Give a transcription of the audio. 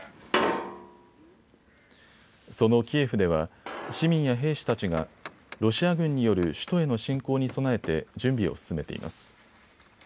そのキエフでは市民や兵士たちがロシア軍による首都への侵攻に備えて準備を進めています。